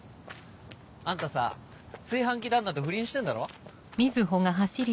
あんたさ炊飯器旦那と不倫してんだろう？